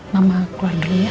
mama keluar dulu ya